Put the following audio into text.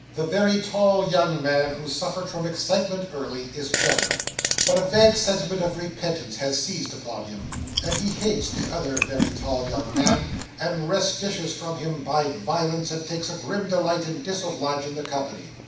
The very tall young man who suffered from excitement early, is better; but a vague sentiment of repentance has seized upon him, and he hates the other very tall young man, and wrests dishes from him by violence, and takes a grim delight in disobliging the company.